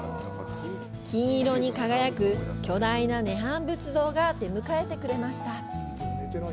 金色に輝く巨大な涅槃仏像が出迎えてくれました。